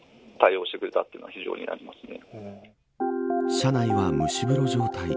車内は蒸し風呂状態。